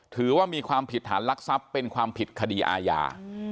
ถือว่ามีความผิดฐานลักทรัพย์เป็นความผิดคดีอาญา